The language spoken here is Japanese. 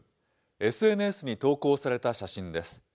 ＳＮＳに投稿された写真です。